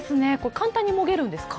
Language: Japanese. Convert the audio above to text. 簡単にもげるんですか？